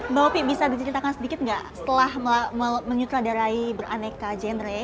mbak opi bisa diceritakan sedikit nggak setelah menyutradarai beraneka genre